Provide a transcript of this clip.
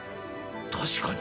確かに！